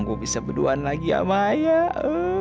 yang gue bisa berduaan lagi sama ayah